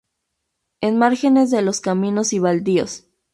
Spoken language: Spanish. En márgenes de los caminos y baldíos.